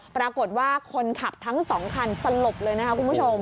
ปรากฏว่าคนขับทั้งสองคันสลบเลยนะคะคุณผู้ชม